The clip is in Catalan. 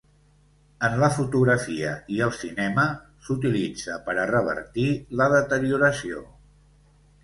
En la fotografia i el cinema, s'utilitza per a revertir la deterioració.